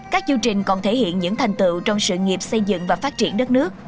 các chương trình còn thể hiện những thành tựu trong sự nghiệp xây dựng và phát triển đất nước